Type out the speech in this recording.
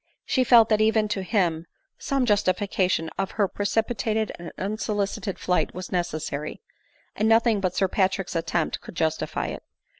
She felt that even to Aiwi, some justification of her precipitate and unsolicited flight was necessary ; and nothing but Sir Patrick's attempt could justify it.